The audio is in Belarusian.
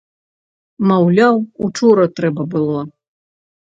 Маўляў, учора трэба было.